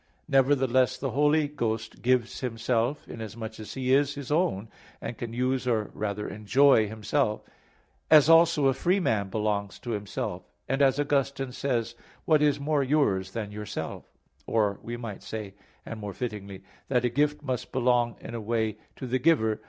Nevertheless, the Holy Ghost gives Himself, inasmuch as He is His own, and can use or rather enjoy Himself; as also a free man belongs to himself. And as Augustine says (In Joan. Tract. xxix): "What is more yours than yourself?" Or we might say, and more fittingly, that a gift must belong in a way to the giver.